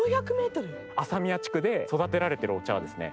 朝宮地区で育てられているお茶はですね